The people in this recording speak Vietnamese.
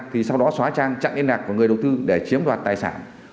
thì sau đó xóa trang chặn yên nạc của người đầu tư để chiếm đoạt tài sản